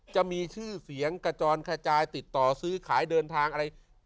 จะมีชื่อเสียงกระจอนขจายติดต่อซื้อขายเดินทางอะไร